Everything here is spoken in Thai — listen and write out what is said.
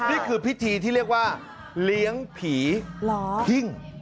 นี่คือพิธีที่เรียกว่าเลี้ยงผีหิ้ง